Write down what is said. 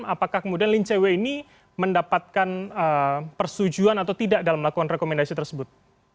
apakah kemudian lin cw ini mendapatkan persetujuan atau tidak dalam melakukan rekomendasi tersebut